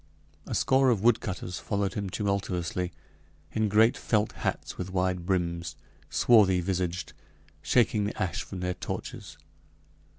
A score of woodcutters followed him tumultuously, in great felt hats with wide brims swarthy visaged shaking the ash from their torches.